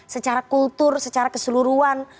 secara kultur secara keseluruhan